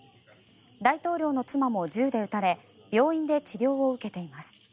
大統領の妻も銃で撃たれ病院で治療を受けています。